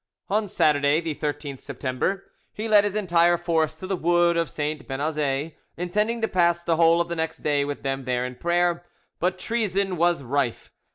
On Saturday, the 13th September, he led his entire force to the wood of St. Benazet, intending to pass the whole of the next day with them there in prayer. But treason was rife.